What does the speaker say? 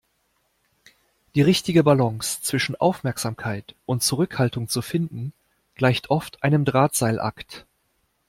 Die richtige Balance zwischen Aufmerksamkeit und Zurückhaltung zu finden, gleicht oft einem Drahtseilakt.